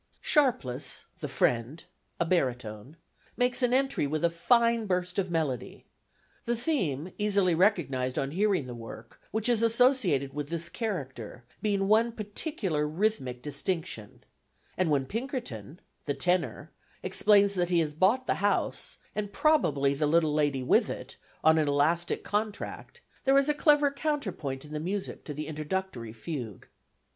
Sharpless, the friend (a baritone), makes an entry with a fine burst of melody the theme, easily recognised on hearing the work, which is associated with this character, being one particular rhythmic distinction and when Pinkerton (the tenor) explains that he has bought the house, and probably the little lady with it, on an elastic contract, there is a clever counterpoint in the music to the introductory fugue.